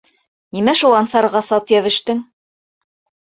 Нимә шул Ансарға сат йәбештең?